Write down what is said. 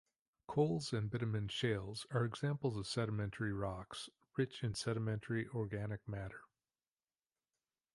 Coals and bitumen shales are examples of sedimentary rocks rich in "sedimentary organic matter".